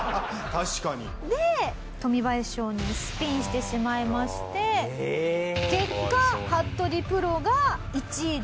確かに。でトミバヤシ少年スピンしてしまいまして結果服部プロが１位でゴール。